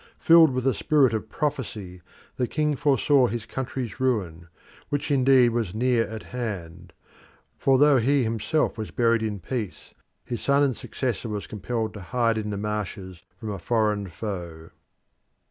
Filled with a spirit of prophecy, the king foresaw his country's ruin, which indeed was near at hand, for though he himself was buried in peace, his son and successor was compelled to hide in the marshes from a foreign foe.